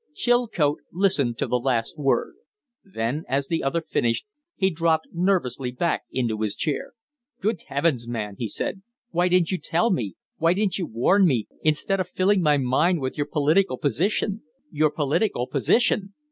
Chilcote listened to the last word; then, as the other finished, he dropped nervously back into his chair. "Good heavens! man," he said, "why didn't you tell me why didn't you warn me, instead of filling my mind with your political position? Your political position!"